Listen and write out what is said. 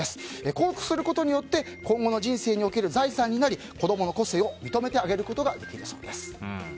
こうすることによって今後の人生における財産になり、子供の個性を認めてあげることができるそうです。